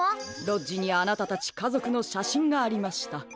ロッジにあなたたちかぞくのしゃしんがありました。